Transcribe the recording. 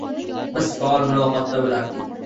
Biz faol muloqotda bo‘lardik.